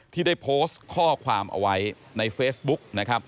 ที่ได้โพสต์ข้อความเอาไว้ในเฟซบุ๊กนะครับ